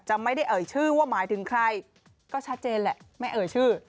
ไม่ได้เอ่ยชื่อว่าหมายถึงใครก็ชัดเจนแหละไม่เอ่ยชื่อ